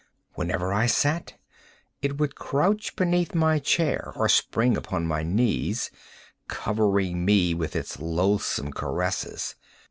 Whenever I sat, it would crouch beneath my chair, or spring upon my knees, covering me with its loathsome caresses.